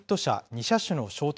２車種の衝突